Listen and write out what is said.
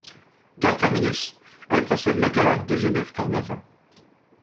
Gare terminus, elle précède la gare de Genève-Cornavin.